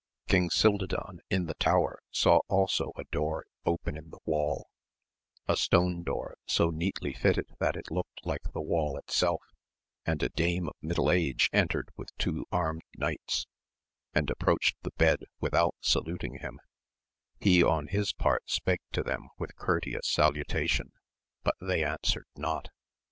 Eang Cildadan in the tower saw also a door open in the W£dl, a stone door so neatly fitted that it looked like the wall itself, and a dame of middle age entered with two armed knights, and approached the bed without saluting him ; he on his part spake to them with courteous salutation, but they answered not.